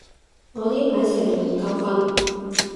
我呢排成日唔夠瞓